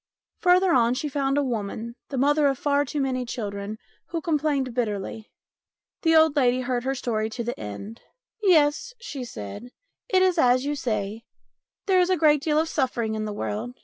Further on she found a woman, the mother of far too many children, who complained bitterly. The old lady heard her story to the end. " Yes," she said, " it is as you say. There is a great deal of suffering in the world.